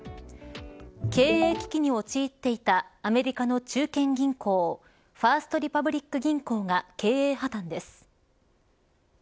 経営危機に陥っていたアメリカの中堅銀行ファースト・リパブリック銀行が経営破綻です。